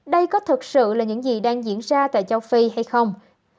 đây có thực sự là những gì đang diễn ra tại châu phi hay không